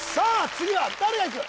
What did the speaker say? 次は誰がいく？